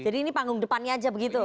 jadi ini panggung depannya aja begitu